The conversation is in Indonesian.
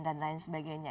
dan lain sebagainya